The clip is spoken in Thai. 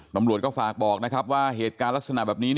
ตำรวจก็ฝากบอกนะครับว่าเหตุการณ์ลักษณะแบบนี้